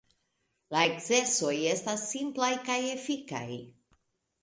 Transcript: La ekzercoj estas simplaj kaj efikaj.